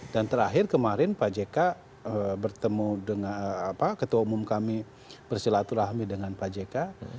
dan terakhir kemarin pak jk bertemu dengan apa ketua umum kami bersilaturahmi dengan pak jk